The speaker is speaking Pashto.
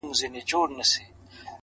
پوهه د راتلونکو پریکړو رڼا ده،